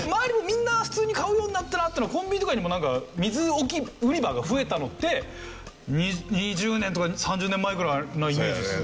みんな普通に買うようになったなっていうのはコンビニとかにもなんか水売り場が増えたのって２０年とか３０年前ぐらいのイメージですね。